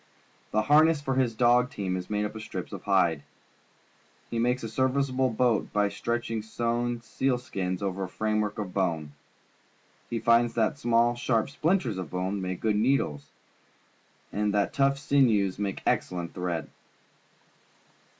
The harness for his dog team is made of strips of hide. He makes a ser viceable boat by stretching sewn seal skins over a framework of bone. He finds that 12 PUBLIC SCHOOL GEOGRAPHY small, sharp splinters of bone make good needles and that tough sinews make excel lent thread.